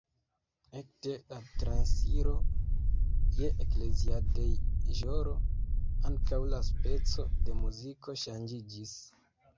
Ekde la transiro je ekleziadeĵoro ankaŭ la speco de muziko ŝanĝiĝis.